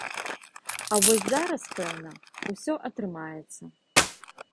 А вось зараз, пэўна, усе атрымаецца.